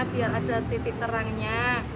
biar ada titik terangnya